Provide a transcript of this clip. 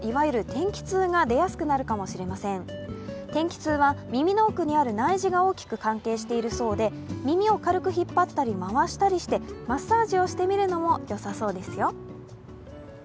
天気痛は耳の奥にある内耳が大きく影響しているそうで耳を軽く引っ張ったり回したりしてマッサージをしてみたりするのもよさそうですよ。